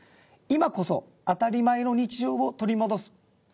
今こそ当たり前の日常を取り戻す。